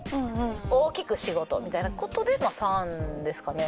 大きく仕事みたいな事で３ですかね。